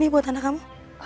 ini buat anak kamu